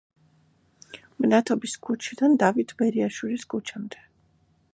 მნათობის ქუჩიდან დავით ბერიაშვილის ქუჩამდე.